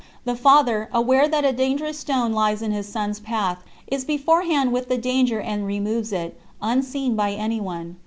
The father, aware that a dangerous stone lies in his son's path, is beforehand with the danger and removes it, unseen by anyone.